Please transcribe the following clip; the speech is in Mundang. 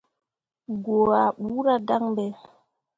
Goo ah ɓuura dan ɓe.